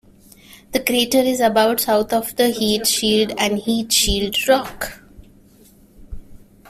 The crater is about south of the heat shield and Heat Shield Rock.